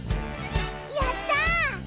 やった！